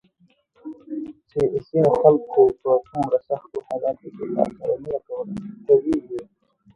چې ځینو خلکو په څومره سختو حالاتو کې تاسو سره مینه کوله، کوي یې ~